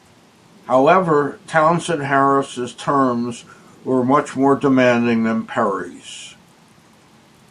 However, Townsend Harris' terms were much more demanding than Perry's.